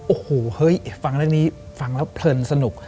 โอ้โหเฮ้ยฟังเรื่องนี้ฟังแล้วเพลินสนุก